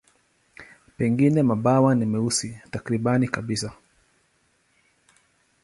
Pengine mabawa ni meusi takriban kabisa.